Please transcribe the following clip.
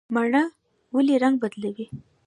مڼه ولې رنګ بدلوي؟